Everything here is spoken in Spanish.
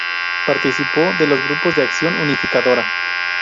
Participó de los Grupos de Acción Unificadora.